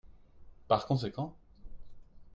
Par conséquent.